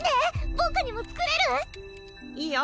僕にも作れる？いいよ